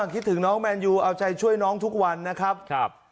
คิดถึงน้องแมนยูเอาใจช่วยน้องทุกวันนะครับ